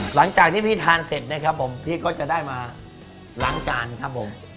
หลังจากที่พี่ทานเสร็จนะครับผมพี่ก็จะได้มาล้างจานครับผม